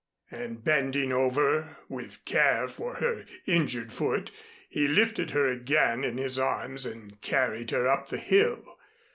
And bending over, with care for her injured foot, he lifted her again in his arms and carried her up the hill.